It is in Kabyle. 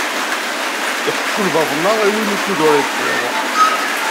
Iḥekku lbaḍna i win ukud ur iṭṭiḍ.